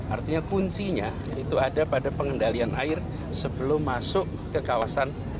artinya kuncinya itu ada pada pengendalian air sebelum masuk ke kawasan